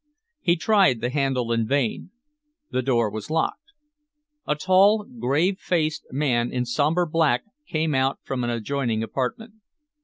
He tried the handle in vain. The door was locked. A tall, grave faced man in sombre black came out from an adjoining apartment.